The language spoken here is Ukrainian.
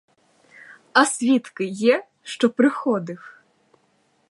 А свідки є, що приходив?